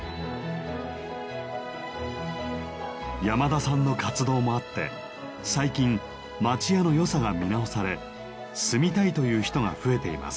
やまださんの活動もあって最近町家のよさが見直され住みたいという人が増えています。